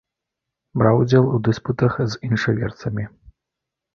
Браў удзел у дыспутах з іншаверцамі.